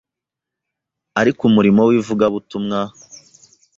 Ariko umurimo w’ivugabutumwa